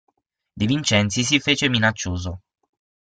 De Vincenzi si fece minaccioso.